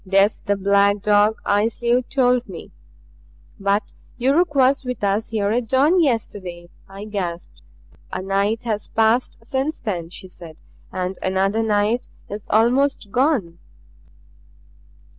This the black dog I slew told me." "But Yuruk was with us here at dawn yesterday," I gasped. "A night has passed since then," she said, "and another night is almost gone."